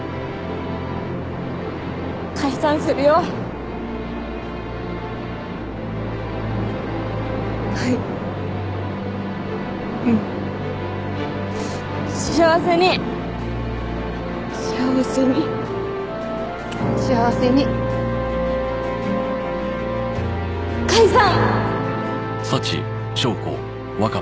解散するよはいうん幸せに幸せに幸せに解散！